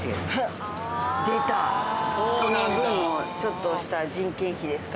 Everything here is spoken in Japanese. その分もちょっとした人件費ですか？